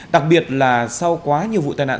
đặc biệt là sau quá nhiều vụ tai nạn